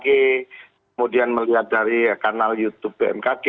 kemudian melihat dari kanal youtube bmkg